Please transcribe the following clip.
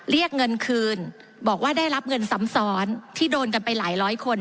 เรียกเงินคืนบอกว่าได้รับเงินซ้ำซ้อนที่โดนกันไปหลายร้อยคน